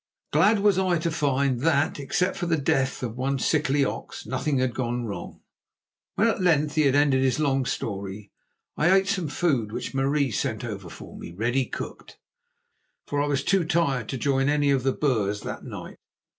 Glad was I to find that, except for the death of one sickly ox, nothing had gone wrong. When at length he had ended his long story, I ate some food which Marie sent over for me ready cooked, for I was too tired to join any of the Boers that night.